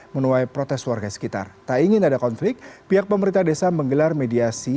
menuai protes warga sekitar tak ingin ada konflik pihak pemerintah desa menggelar mediasi